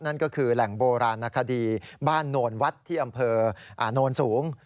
นั่นก็คือแหล่งโบราณนาคดีบ้านโนนวัดที่อำเภอโนนสูง